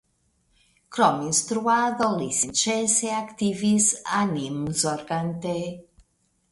Krom instruado li senĉese aktivis animzorgante.